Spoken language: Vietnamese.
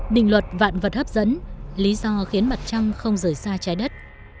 đình luật vạn vật hấp dẫn lý do khiến mặt trăng không rời xa trái đất